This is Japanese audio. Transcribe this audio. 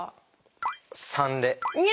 ３で。